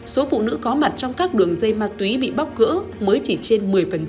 số phụ nữ có mặt trong các đường dây ma túy bị bóc gỡ mới chỉ trên một mươi